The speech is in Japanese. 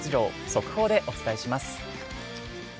速報でお伝えします。